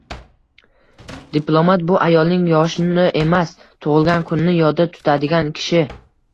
Diplomat – bu ayolning yoshini emas, tug’ilgan kunini yodda tutadigan kishi.